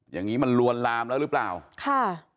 อย่างนี้มันลวนลามแล้วหรือเปล่าค่ะ